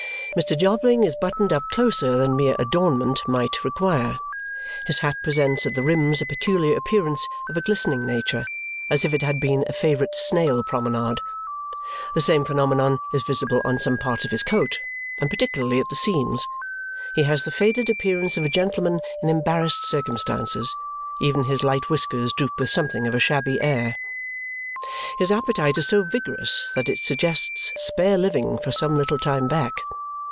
Mr. Jobling is buttoned up closer than mere adornment might require. His hat presents at the rims a peculiar appearance of a glistening nature, as if it had been a favourite snail promenade. The same phenomenon is visible on some parts of his coat, and particularly at the seams. He has the faded appearance of a gentleman in embarrassed circumstances; even his light whiskers droop with something of a shabby air. His appetite is so vigorous that it suggests spare living for some little time back.